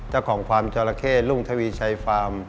เจ้าของฟาร์มจอราเข้รุ่งทวีชัยฟาร์ม